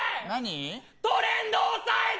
トレンド押さえて。